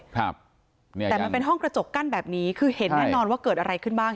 แต่มันเป็นห้องกระจกกั้นแบบนี้คือเห็นแน่นอนว่าเกิดอะไรขึ้นบ้าง